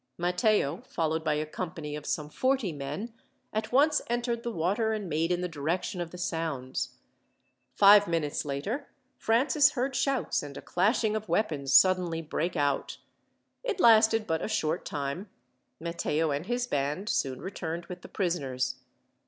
Matteo, followed by a company of some forty men, at once entered the water, and made in the direction of the sounds. Five minutes later, Francis heard shouts and a clashing of weapons suddenly break out. It lasted but a short time. Matteo and his band soon returned with the prisoners.